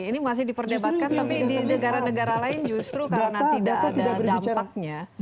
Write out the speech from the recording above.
ini masih diperdebatkan tapi di negara negara lain justru karena tidak ada dampaknya